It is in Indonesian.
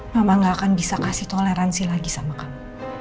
mama gak akan bisa kasih toleransi lagi sama kamu